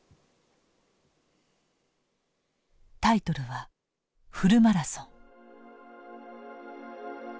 タイトルは「フルマラソン」。